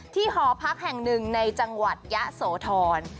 ที่หอพักแห่ง๑ในจังหวัดยะโสทร